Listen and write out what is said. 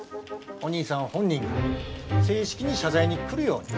お兄さん本人が正式に謝罪に来るように。